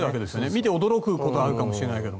見て驚くことはあるかもしれないけど。